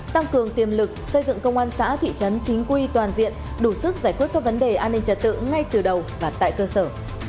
tăng cường tiềm lực xây dựng công an xã thị trấn chính quy toàn diện đủ sức giải quyết các vấn đề an ninh trật tự ngay từ đầu và tại cơ sở